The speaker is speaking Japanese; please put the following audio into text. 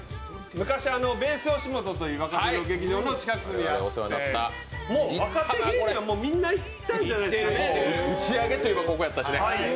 昔、ｂａｓｅよしもとという若手の劇場の近くにあって、若手芸人はもうみんな行ったんじゃないか、打ち上げといえばここやったしね。